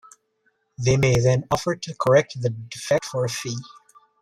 They may then offer to correct the defect for a fee.